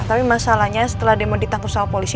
tapi masalahnya setelah dia mau ditangkap sama polisi